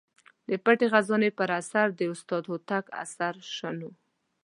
د پټې خزانې پر اثر د استاد هوتک اثر شنو.